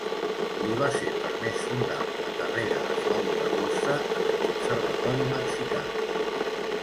Li va ser permès fundar la carrera de flauta dolça en el conservatori mexicà.